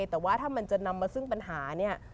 แต่ว่าถ้ามันจะนำมาซึ่งปัญหาเนี่ย